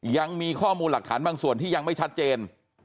ยังมีข้อมูลหลักฐานบางส่วนที่ยังไม่ชัดเจน